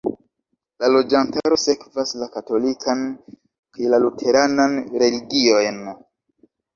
La loĝantaro sekvas la katolikan kaj la luteranan religiojn.